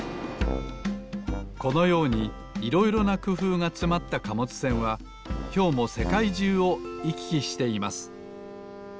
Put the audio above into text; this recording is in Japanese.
このようにいろいろなくふうがつまった貨物船はきょうもせかいじゅうをいききしています